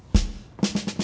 cuk saya kesana dulu ya